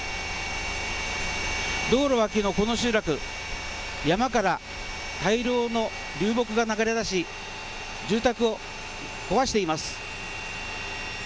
道路脇の、この集落山から大量の流木が流れ出し住宅を壊しています。